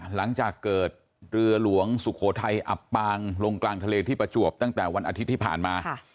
หลังจากเกิดเรือหลวงสุโขทัยอับปางลงกลางทะเลที่ประจวบตั้งแต่วันอาทิตย์ที่ผ่านมา